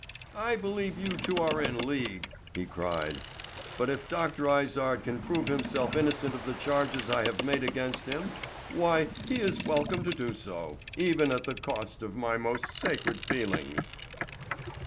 "I believe you two are in league," he cried; "but if Dr. Izard can prove himself innocent of the charges I have made against him, why, he is welcome to do so, even at the cost of my most sacred feelings."